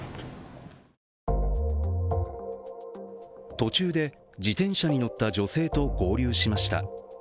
途中で、自転車に乗った女性と合流しました。